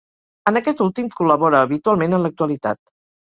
En aquest últim col·labora habitualment en l'actualitat.